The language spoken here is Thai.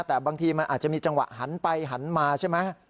แต่บางทีมันอาจจะมีจังหวะหันไปหันมาใช่ไหม